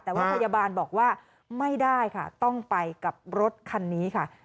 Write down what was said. แต่ว่าพยาบาลบอกว่าไม่ได้ค่ะต้องไปกับรถคันนี้ค่ะ